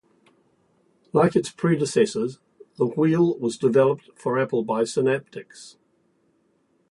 Like its predecessors, the wheel was developed for Apple by Synaptics.